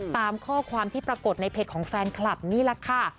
ตามข้อความที่ปรากฏในเพจของแฟนคลับนี่แหละค่ะ